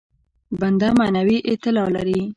بنده معنوي اعتلا لري.